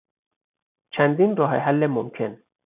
چندین راه حل ممکن